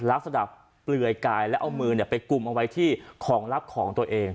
ลักษณะเปลือยกายแล้วเอามือไปกลุ่มเอาไว้ที่ของลับของตัวเอง